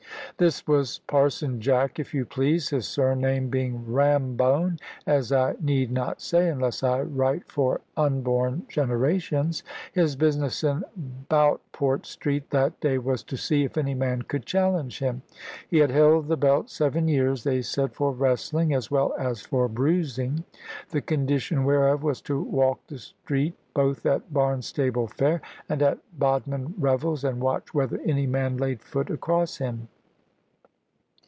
This was "Parson Jack," if you please, his surname being "Rambone," as I need not say, unless I write for unborn generations. His business in Boutport Street that day was to see if any man would challenge him. He had held the belt seven years, they said, for wrestling, as well as for bruising; the condition whereof was to walk the street both at Barnstaple fair and at Bodmin revels, and watch whether any man laid foot across him.